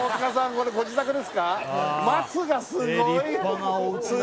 これご自宅ですか？